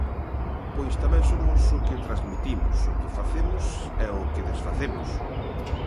Pois tamén somos o que transmitimos, o que facemos e o que desfacemos.